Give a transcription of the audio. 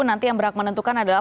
nanti yang berhak menentukan adalah